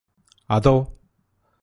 അതോ